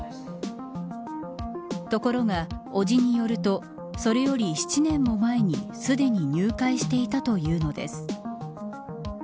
ところが伯父によるとそれより７年も前にすでに入会していたというのです。